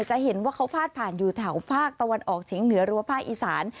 จะเห็นว่าเขาพาดผ่านอยู่แถวภาคตะวันออกเฉียงเหนือรั้วภาคอีสาน